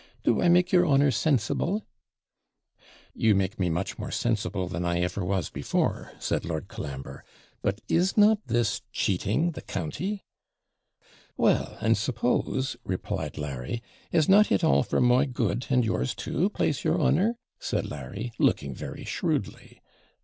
Do I make your honour SENSIBLE?' [Do I make you understand?] 'You make me much more sensible than I ever was before,' said Lord Colambre; 'but is not this cheating the county?' 'Well, and suppose,' replied Larry, 'is not it all for my good, and yours too, plase your honour?' said Larry, looking very shrewdly.